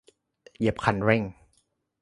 เหยียบคันเร่ง